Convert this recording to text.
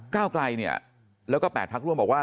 ก้าวไกลแล้วก็แปดพักร่วมบอกว่า